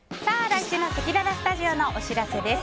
来週のせきららスタジオのお知らせです。